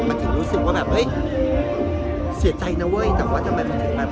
มันถึงรู้สึกว่าแบบเฮ้ยเสียใจนะเว้ยแต่ว่าทำไมมันถึงแบบ